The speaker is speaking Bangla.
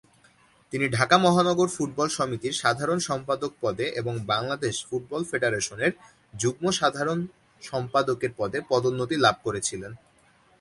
তিনি ঢাকা মহানগর ফুটবল সমিতির সাধারণ সম্পাদক পদে এবং বাংলাদেশ ফুটবল ফেডারেশনের যুগ্ম সাধারণ সম্পাদকের পদে পদোন্নতি লাভ করেছিলেন।